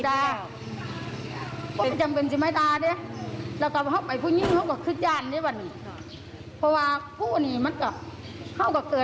โดดเทียสผ่านเข้ามาเลย